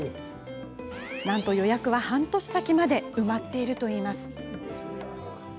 予約は半年先まで埋まっているといいます。